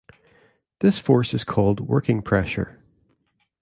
This force is called working pressure.